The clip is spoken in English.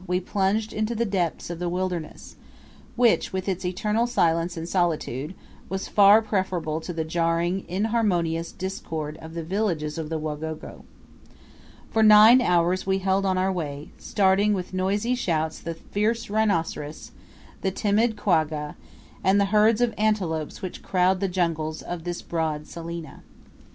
we plunged into the depths of the wilderness, which, with its eternal silence and solitude, was far preferable to the jarring, inharmonious discord of the villages of the Wagogo. For nine hours we held on our way, starting with noisy shouts the fierce rhinoceros, the timid quagga, and the herds of antelopes which crowd the jungles of this broad salina.